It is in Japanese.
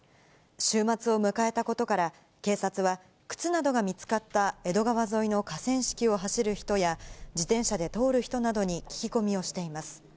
週末を迎えたことから、警察は、靴などが見つかった江戸川沿いの河川敷を走る人や、自転車で通る人などに聞き込みをしています。